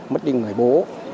mất đi người bố